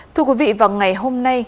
thưa quý vị vào ngày hôm nay